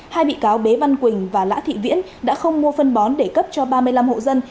hai bị cáo bế văn quỳnh và lã thị viễn đã không mua phân bón để cấp cho ba mươi năm hộ dân